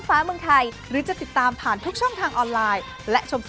เราทำแค่รอยเล้าเฉย